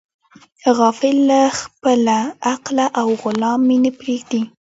غافل له خپله حقه او غلام مې نه پریږدي.